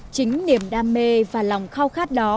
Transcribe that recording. chính niềm đam mê và lòng khao khát đó